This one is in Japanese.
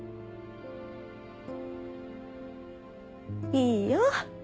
いいよ。